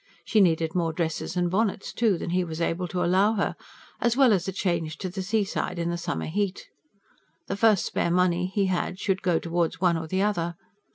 She needed more dresses and bonnets, too, than he was able to allow her, as well as a change to the seaside in the summer heat. The first spare money he had should go towards one or the other.